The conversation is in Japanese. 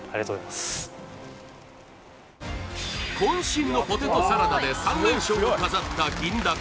身のポテトサラダで３連勝を飾った銀だ